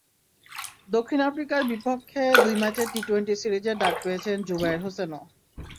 দক্ষিণ আফ্রিকার বিপক্ষে দুই ম্যাচের টি-টোয়েন্টি সিরিজে ডাক পেয়েছেন জুবায়ের হোসেনও।